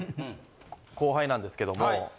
後輩なんですけども。